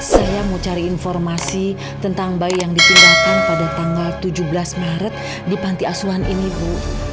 saya mau cari informasi tentang bayi yang dipindahkan pada tanggal tujuh belas maret di panti asuhan ini bu